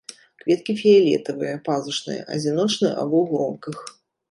Кветкі фіялетавыя, пазушныя, адзіночныя або ў гронках.